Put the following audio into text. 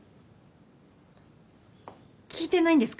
聞いてないんですか？